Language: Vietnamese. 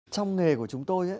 trong nghề của chúng tôi